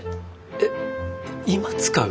えっ今使う？